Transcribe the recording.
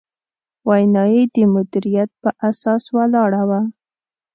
وینا یې د مدیریت په اساس ولاړه وه.